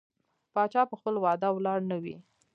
پاچا په خپل وعدو ولاړ نه وي.